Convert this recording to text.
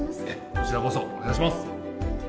こちらこそお願いします